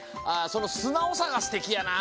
そのすなおさがすてきやな。